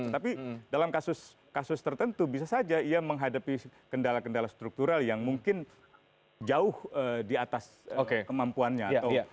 tapi dalam kasus kasus tertentu bisa saja ia menghadapi kendala kendala struktural yang mungkin jauh di atas kemampuannya atau